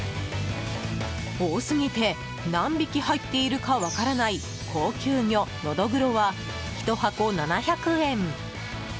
多すぎて何匹入っているか分からない高級魚ノドグロは、１箱７００円。